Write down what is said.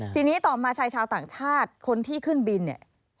ทีนี้ต่อมาชายชาวต่างชาติคนที่ขึ้นบินเนี่ย